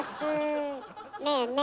ねえねえ